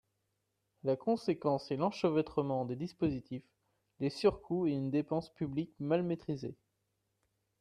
La conséquence est l’enchevêtrement des dispositifs, les surcoûts et une dépense publique mal maîtrisée.